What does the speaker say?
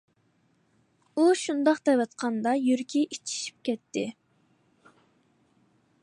ئۇ شۇنداق دەۋاتقاندا يۈرىكى ئېچىشىپ كەتتى.